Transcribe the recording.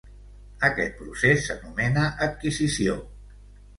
Aquest procés s'anomena adquisició.